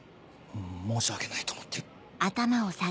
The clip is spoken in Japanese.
申し訳ないと思ってる。